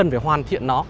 và hoàn thiện nó